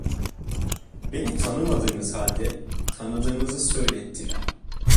Beni tanımadığınız halde, tanıdığınızı söylettiler…